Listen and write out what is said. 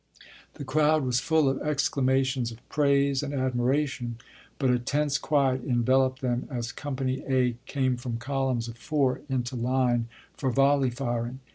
The crowd was full of exclamations of praise and admiration, but a tense quiet enveloped them as company "A" came from columns of four into line for volley firing.